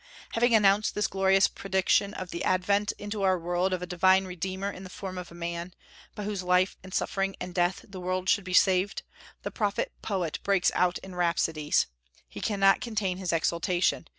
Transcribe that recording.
Having announced this glorious prediction of the advent into our world of a divine Redeemer in the form of a man, by whose life and suffering and death the world should be saved, the prophet poet breaks out in rhapsodies. He cannot contain his exultation.